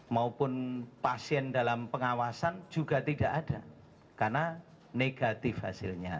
maupun pasien dalam pengawasan juga tidak ada karena negatif hasilnya